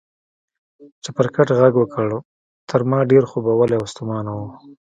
چپرکټ غږ وکړ، تر ما ډېر خوبولی او ستومانه و.